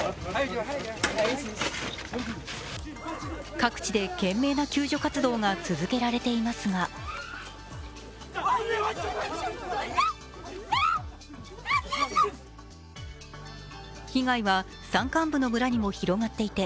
各地で懸命な救助活動が続けられていますが被害は山間部の村にも広がっていて